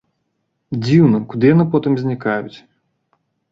Дзіўна, куды яны потым знікаюць?